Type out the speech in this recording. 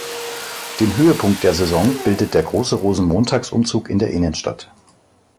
Den Höhepunkt der Session bildet der große Rosenmontagsumzug in der Innenstadt.